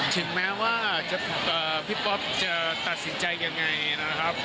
ถึงแม้ว่าพี่ป๊อปจะตัดสินใจยังไงนะครับ